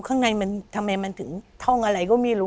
ข้างในมันทำไมมันถึงท่องอะไรก็ไม่รู้